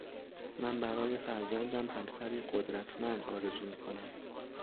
من برای فرزندم همسری قدرتمند آرزو میکنم